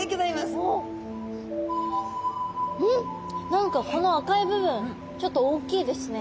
何かこの赤い部分ちょっと大きいですね。